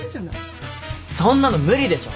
そんなの無理でしょ。